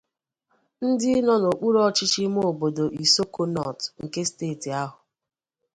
dị n'okpuruọchịchị ime obodo 'Isoko North' nke steeti ahụ.